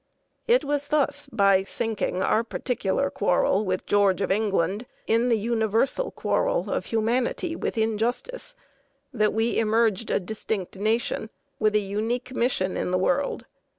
It was thus, by sinking our particular quarrel with George of England in the universal quarrel of humanity with injustice, that we emerged a distinct nation, with a unique mission in the world.